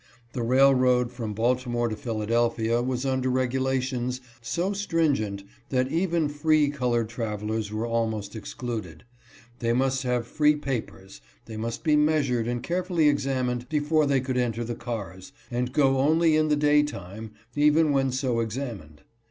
The railroad from Baltimore to Philadelphia was under regulations so stringent that even free colored travelers were almost excluded. They must have free papers ; they must be measured and carefully examined before they could enter the cars, and could go only in the day time, even when so examined.